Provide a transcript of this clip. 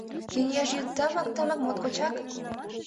Кеҥеж йӱд тымык-тымык моткочак?